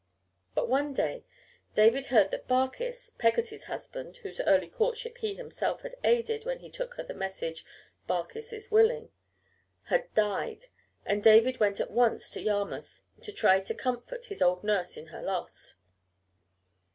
But one day David heard that Barkis, Peggotty's husband (whose early courtship he himself had aided when he took her the message "Barkis is willin'") had died, and David went at once to Yarmouth to try to comfort his old nurse in her loss.